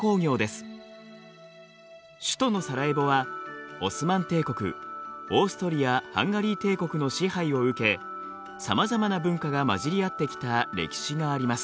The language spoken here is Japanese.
首都のサラエボはオスマン帝国オーストリア・ハンガリー帝国の支配を受けさまざまな文化が交じり合ってきた歴史があります。